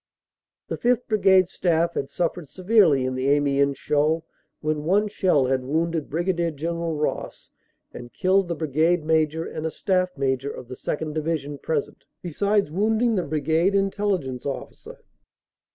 The 5th. Brigade staff had suffered severely in the Amiens show, when one shell had wounded Brig. General Ross, and killed the Brigade Major and a Staff Major of the 2nd. Divi sion present, besides wounding the Brigade Intelligence Officer.